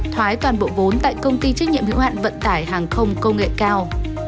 thoái toàn bộ vốn tại công ty trách nhiệm hữu hạn vận tải hàng không công nghệ cao